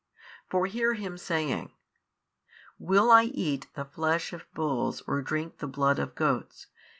for hear Him saying, Will I eat the flesh of bulls or drink the blood of goats?